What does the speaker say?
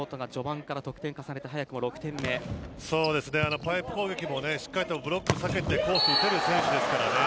パイプ攻撃もしっかりとブロックを避けてコートにしっかり打てる選手ですからね。